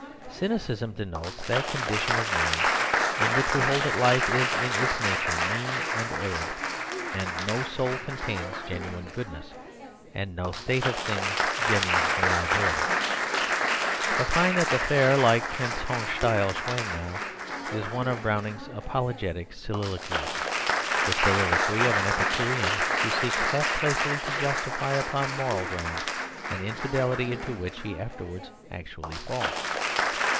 Cynicism denotes that condition of mind in which we hold that life is in its nature mean and arid; that no soul contains genuine goodness, and no state of things genuine reliability. Fifine at the Fair, like Prince Hohenstiel Schwangau, is one of Browning's apologetic soliloquies the soliloquy of an epicurean who seeks half playfully to justify upon moral grounds an infidelity into which he afterwards actually falls.